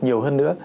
nhiều hơn nữa